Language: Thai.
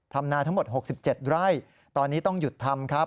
นาทั้งหมด๖๗ไร่ตอนนี้ต้องหยุดทำครับ